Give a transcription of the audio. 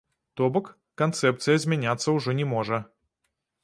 То бок, канцэпцыя змяняцца ўжо не можа.